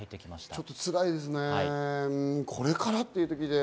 ちょっと辛いですね、これからっていう時で。